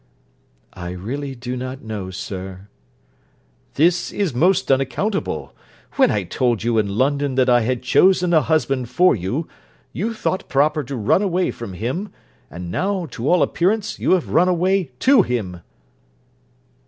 'I really do not know, sir.' 'This is most unaccountable. When I told you in London that I had chosen a husband for you, you thought proper to run away from him; and now, to all appearance, you have run away to him.'